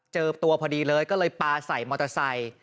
เจอตัวพอดีเลยก็เลยปลาใส่มอเตอร์ไซค์